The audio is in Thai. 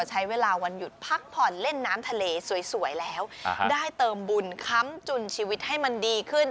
ใช้เวลาวันหยุดพักผ่อนเล่นน้ำทะเลสวยแล้วได้เติมบุญค้ำจุนชีวิตให้มันดีขึ้น